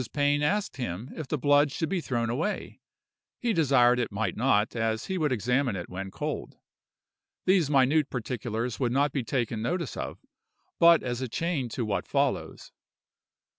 Pain asked him if the blood should be thrown away: he desired it might not, as he would examine it when cold. These minute particulars would not be taken notice of, but as a chain to what follows.